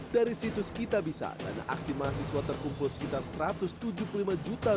dari situs kitabisa dana aksi mahasiswa terkumpul sekitar satu ratus tujuh puluh lima juta